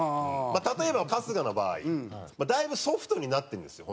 まあ例えば春日の場合だいぶソフトになってるんですよ